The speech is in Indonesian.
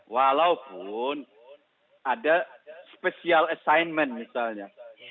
walaupun ada special assignment misalnya